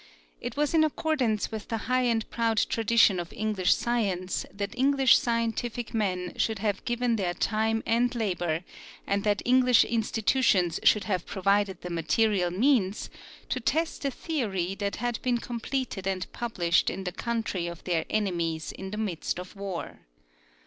It was in accordance with the high and proud tradition of English science that English scientific men should have given their time and labor, and that English institutions should have provided the material means, to test a theory that had been completed and published in the country of their enemies in the midst of war.